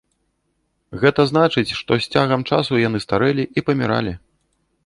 Гэта значыць, што з цягам часу яны старэлі і паміралі.